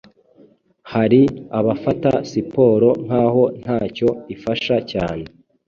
Hari abafata siporo nk’aho nta cyo ifasha cyane